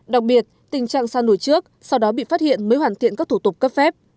đặc biệt tình trạng sa nổi trước sau đó bị phát hiện mới hoàn thiện các thủ tục cấp phép